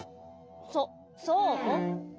そそう？